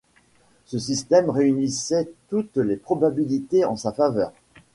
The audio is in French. Ce système réunissait toutes les probabilités en sa faveur.